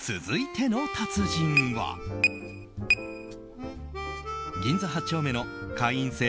続いての達人は銀座８丁目の会員制